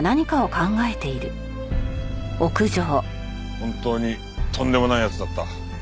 本当にとんでもない奴だった。